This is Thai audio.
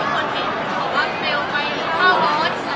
อาจมันไม่ไปอ่ะ